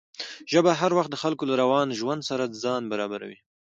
ژبه هر وخت د خلکو له روان ژوند سره ځان برابروي.